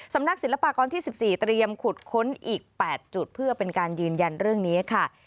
สำนักศิลปากรที่๑๔เตรียมขุดค้นอีก๘จุดเพื่อเป็นการยืนยันเรื่องนี้ค่ะ